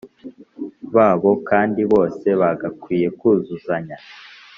babo kandi bose bagakwiye kuzuzanya.